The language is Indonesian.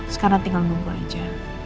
sekarang tinggal nunggu aja